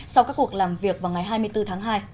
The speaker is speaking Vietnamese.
sau các cuộc làm việc vào ngày hai mươi bốn tháng hai